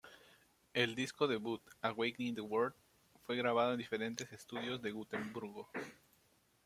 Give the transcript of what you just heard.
El disco debut, "Awakening the World", fue grabado en diferentes estudios de Gotemburgo.